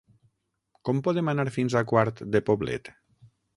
Com podem anar fins a Quart de Poblet?